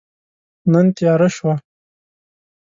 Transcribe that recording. نن تیاره شوه